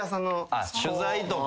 取材とか。